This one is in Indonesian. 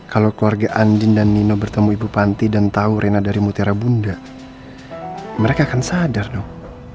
kalau keluarga andin dan nino bertemu ibu panti dan tahu rena dari mutiara bunda mereka akan sadar dong